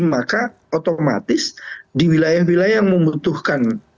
maka otomatis di wilayah wilayah yang membutuhkan